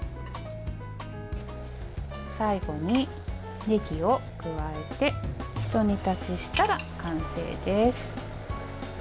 最後にねぎを加えてひと煮立ちしたら完成です。